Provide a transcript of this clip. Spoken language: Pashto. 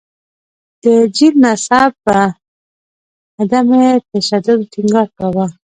د جین مذهب په عدم تشدد ټینګار کاوه.